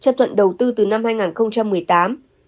chấp thuận đầu tư từ năm hai nghìn một mươi tám